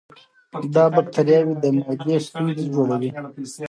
دا بکتریاوې د معدې ستونزې جوړوي.